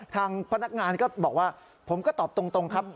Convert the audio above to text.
ทางพนักงานก็บอกว่าผมก็ตอบตรงครับ